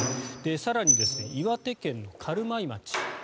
更に、岩手県の軽米町。